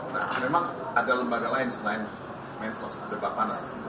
nah memang ada lembaga lain selain mensos ada bapanas di situ